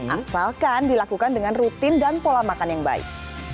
asalkan dilakukan dengan rutin dan pola makan yang baik